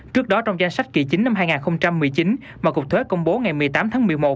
trước đó trong danh sách kỳ chính năm hai nghìn một mươi chín mà cục thuế công bố ngày một mươi tám tháng một mươi một